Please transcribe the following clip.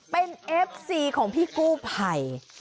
เป็นเอฟซีของพี่กู้ภัย